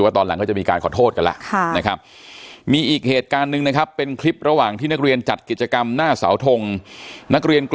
ตอนชูสามนิ้วนะครับ